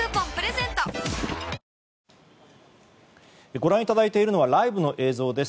ご覧いただいているのはライブの映像です。